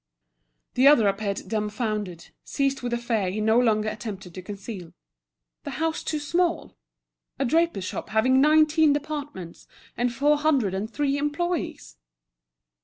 The other appeared dumbfounded, seized with a fear he no longer attempted to conceal. The house too small! a draper's shop having nineteen departments, and four hundred and three employees!